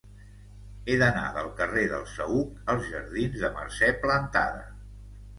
He d'anar del carrer del Saüc als jardins de Mercè Plantada.